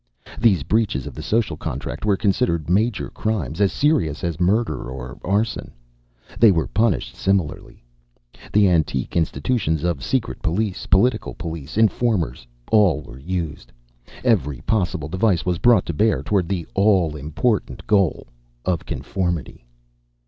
These breaches of the social contract were considered major crimes as serious as murder or arson. They were punished similarly. The antique institutions of secret police, political police, informers, all were used. Every possible device was brought to bear toward the all important goal of conformity.